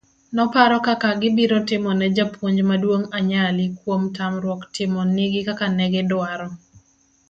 noparo kaka gibiro timone japuonj maduong' anyali kuom tamruok timo nigi kaka negidwaro